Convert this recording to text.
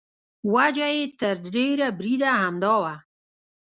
وجه یې تر ډېره بریده همدا وه.